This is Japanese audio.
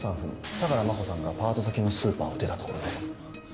相良真帆さんがパート先のスーパーを出たところです